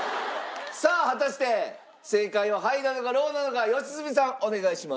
さあ果たして正解はハイなのかローなのか良純さんお願いします。